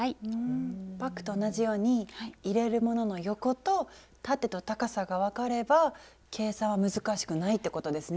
バッグと同じように入れるものの横と縦と高さが分かれば計算は難しくないってことですね。